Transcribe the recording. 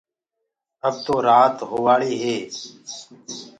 اب تو رآت هووآݪيٚ هي گآ